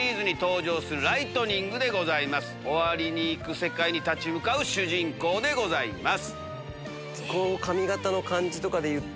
終わりにいく世界に立ち向かう主人公でございます。